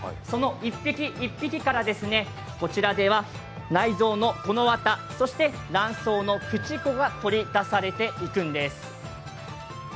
その１匹１匹からこちらでは内蔵のこのわた卵巣のくちこが取り出されていくんです。